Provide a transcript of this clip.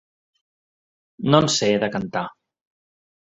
No en sé, de cantar.